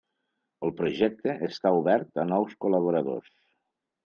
El projecte està obert a nous col·laboradors.